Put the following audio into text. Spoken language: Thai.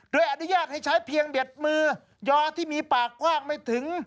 โดยอนุญาตให้ใช้เพียงเบ็ดมือยอที่มีปากกว้างไม่ถึง